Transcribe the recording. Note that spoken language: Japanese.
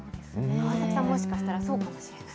川崎さん、もしかしたらそうかもしれない。